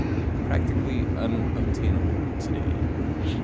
Practically unobtainable today.